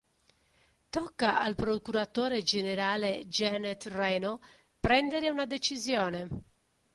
Tocca al procuratore generale Janet Reno prendere una decisione.